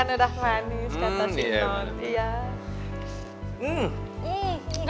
surti kan udah manis kata si nond